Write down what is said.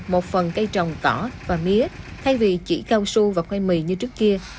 một phần cây trồng tỏ và mía thay vì chỉ cao su và khoai mì như trước kia